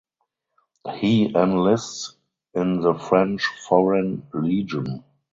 He enlists in the French Foreign Legion.